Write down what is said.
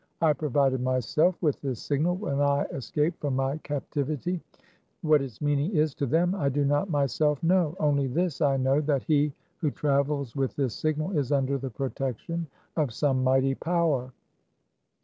I provided myself with this signal when I escaped from my cap tivity : what its meaning is to them, I do not myself know ; only this, I know, that he who travels with this signal is under the protection of some mighty power."